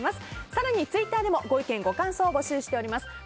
更にツイッターでもご意見、ご感想を募集しています。